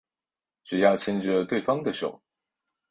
只要牵着对方的手